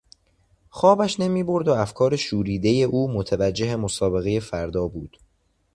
خوابش نمیبرد و افکار شوریدهی او متوجه مسابقهی فردا بود.